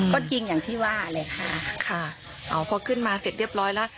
ก็จริงอย่างที่ว่าเลยค่ะค่ะอ๋อพอขึ้นมาเสร็จเรียบร้อยแล้ว